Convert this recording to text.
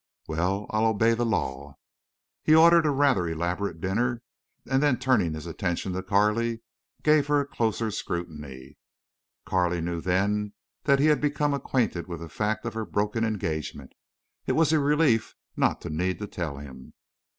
"Well, I'll obey the law." He ordered a rather elaborate dinner, and then turning his attention to Carley, gave her closer scrutiny. Carley knew then that he had become acquainted with the fact of her broken engagement. It was a relief not to need to tell him.